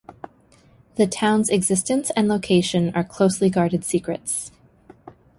The town's existence and location are closely guarded secrets.